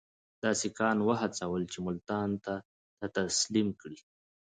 ده سیکهان وهڅول چې ملتان ده ته تسلیم کړي.